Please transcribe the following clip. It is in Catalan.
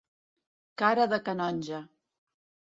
Cara de canonge.